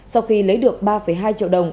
sau khi lấy được ba hai triệu đồng